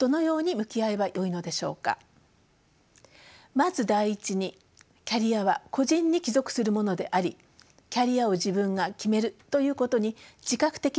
まず第１にキャリアは個人に帰属するものでありキャリアを自分が決めるということに自覚的になることが重要です。